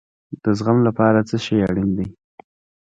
د زغم لپاره څه شی اړین دی؟